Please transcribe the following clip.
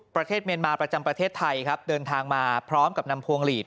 ประเทศเมียนมาประจำประเทศไทยครับเดินทางมาพร้อมกับนำพวงหลีด